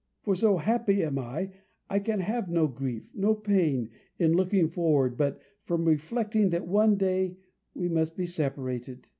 For, so happy am I, I can have no grief, no pain, in looking forward, but from reflecting, that one day we must be separated.